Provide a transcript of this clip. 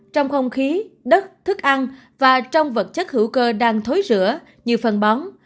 trong không khí đất thức ăn và trong vật chất hữu cơ đang thối rửa như phần bóng